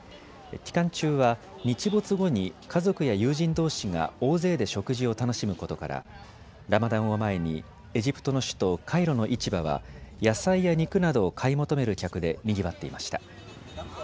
期間中は日没後に家族や友人どうしが大勢で食事を楽しむことからラマダンを前にエジプトの首都カイロの市場は野菜や肉などを買い求める客でにぎわっていました。